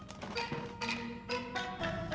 tidak ada yang bisa dikira